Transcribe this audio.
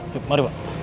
yuk mari pak